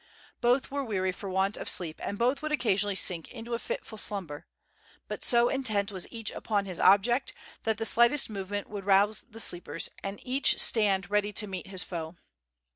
Both were weary for want of sleep, and both would occasionally sink into a fitful slumber; but, so intent was each upon his object, that the slightest movement would rouse the sleepers, and each stand ready to meet his foe.